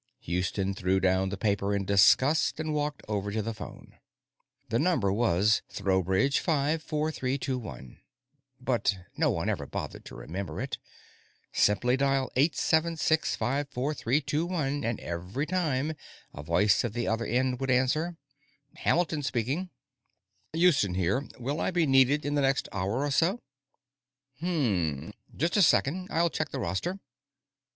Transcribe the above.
Houston threw down the paper in disgust and walked over to the phone. The number was TROwbridge 5 4321, but no one ever bothered to remember it. Simply dial 8 7 6 5 4 3 2 1, and every time a voice at the other end would answer "Hamilton speaking." "Houston here; will I be needed in the next hour or so?" "Mmmm. Just a second; I'll check the roster.